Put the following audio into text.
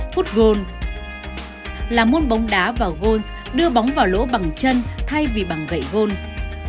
football là môn bóng đá và golf đưa bóng vào lỗ bằng chân thay vì bằng gậy golf